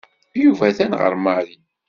Yuba atan ɣer Mary.